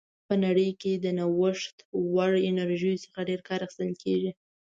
په ټوله نړۍ کې د نوښت وړ انرژیو څخه ډېر کار اخیستل کیږي.